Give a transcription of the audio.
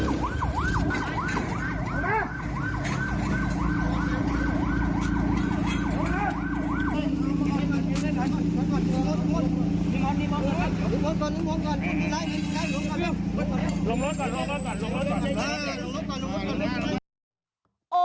ลงก่อนลงก่อน